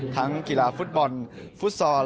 กีฬาฟุตบอลฟุตซอล